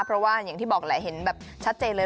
เพราะว่าอย่างที่บอกแหละเห็นแบบชัดเจนเลย